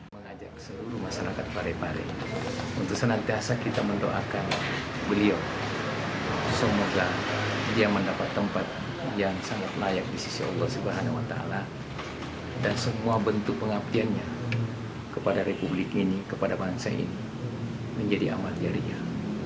beliau semoga dia mendapat tempat yang sangat layak di sisi allah swt dan semua bentuk pengabdiannya kepada republik ini kepada bangsa ini menjadi amat jariah